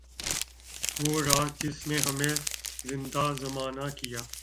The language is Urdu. وہ راز جس نے ہمیں راندۂ زمانہ کیا